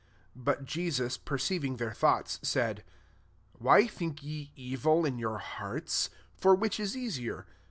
'* 4 But Jesus perceiving their thoughts, said, " Why think ye evil in your hearts ? 5 For which is easier